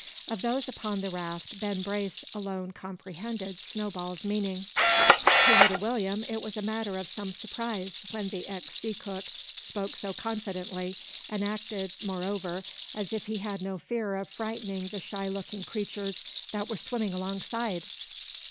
Of those upon the raft, Ben Brace alone comprehended Snowball's meaning. To little William it was a matter of some surprise when the ex sea cook spoke so confidently, and acted, moreover, as if he had no fear of frightening the shy looking creatures that were swimming alongside.